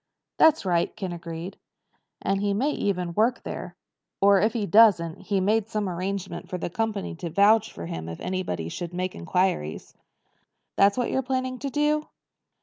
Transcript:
"That's right," Ken agreed. "And he may even work there. Or, if he doesn't, he's made some arrangement for the company to vouch for him if anybody should make inquiries." "That what you're planning to do?"